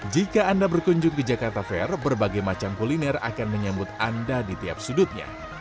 jika anda berkunjung ke jakarta fair berbagai macam kuliner akan menyambut anda di tiap sudutnya